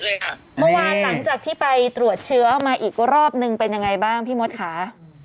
เมื่อวานหลังจากที่ไปตรวจเชื้อมาอีกรอบนึงเป็นยังไงบ้างพี่มดค่ะ